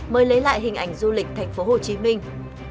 mới lấy lại hình ảnh du lịch thành phố hồ chí minh